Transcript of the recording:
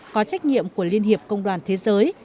có trách nhiệm của liên hiệp công đoàn thế giới